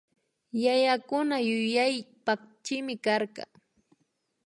Yayakuna yuyay pakchimi karka